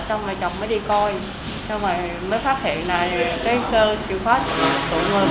xong rồi chồng mới đi coi xong rồi mới phát hiện là